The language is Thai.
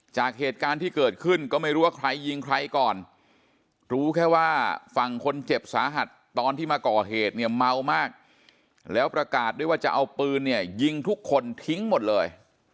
จากเหตุการณ์ที่เกิดขึ้นก็ไม่รู้ว่าใครยิงใครก่อนรู้แค่ว่าฝั่งคนเจ็บสาหัสตอนที่มาก่อเหตุเนี่ยเมามากแล้วประกาศด้วยว่าจะเอาปืนเนี่ยยิงทุกคนทิ้งหมดเลย